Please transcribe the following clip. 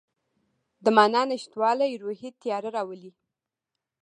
د معنی نشتوالی روحي تیاره راولي.